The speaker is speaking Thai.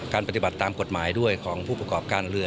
ปฏิบัติตามกฎหมายด้วยของผู้ประกอบการเรือ